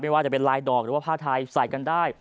ว่าจะเป็นลายดอกหรือว่าผ้าไทยใส่กันได้